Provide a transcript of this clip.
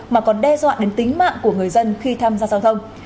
mà còn đe dọa đến tính mạng của người dân khi tham gia giao thông